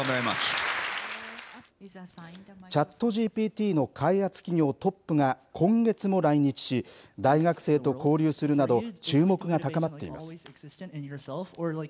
ＣｈａｔＧＰＴの開発企業トップが今月も来日し大学生と交流するなど注目が高まっています。